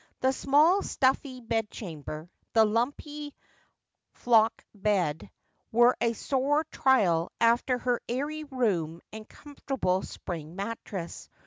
The small, stuffy bedchamber, the lumpy flock bed, were a sore trial after her airy room and comfortable spring mattress.